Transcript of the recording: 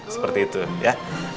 seperti itu ya